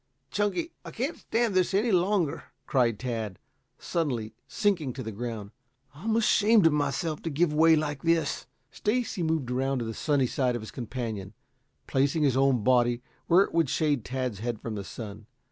"Chunky, I can't stand this any longer," cried Tad, suddenly sinking to the ground. "I'm ashamed of myself to give way like this." Stacy moved around to the sunny side of his companion, placing his own body where it would shade Tad's head from the sun.